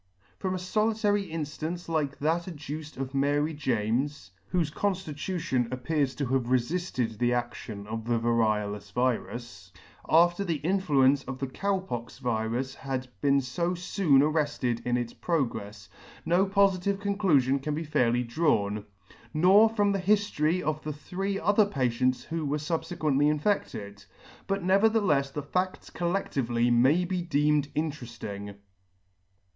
From a folitary inflance like that adduced of Mary James, whofe conflitution appears to have refilled the adlion of the variolous virus, after the influence of the Cow pox virus had been fo foon arrefted in its progrefs, no pofitive conclufion can be fairly drawn ; nor from the hiflory of the three other patients who were fubfequently infedted ; but neverthelefs the fadts col ledtively may be deemed interefling.